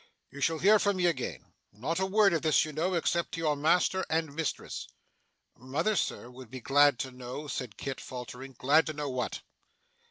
'You shall hear from me again. Not a word of this, you know, except to your master and mistress.' 'Mother, sir, would be glad to know ' said Kit, faltering. 'Glad to know what?